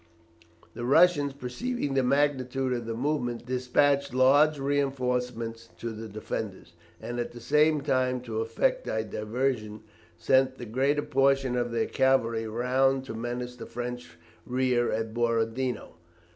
The Russians, perceiving the magnitude of the movement, despatched large reinforcements to the defenders, and at the same time, to effect a diversion, sent the greater portion of their cavalry round to menace the French rear at Borodino.